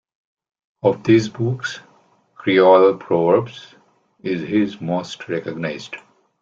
Of these books, "Creole Proverbs" is his most recognized.